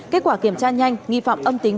kết quả kiểm tra nhanh nghi phạm âm tính